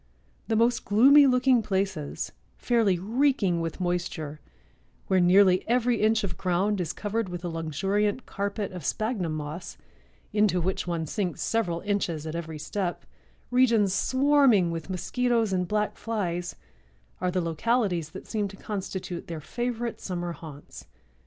The most gloomy looking places, fairly reeking with moisture, where nearly every inch of ground is covered with a luxuriant carpet of spagnum moss, into which one sinks several inches at every step, regions swarming with mosquitoes and black flies, are the localities that seem to constitute their favorite summer haunts."